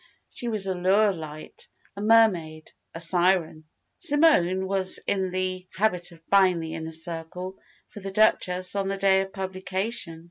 She was a Lure light, a Mermaid, a Siren. Simone was in the habit of buying the Inner Circle for the Duchess on the day of publication.